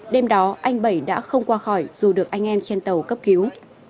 đêm đó anh bảy đã không qua khỏi dù được anh em trên tàu cấp cứu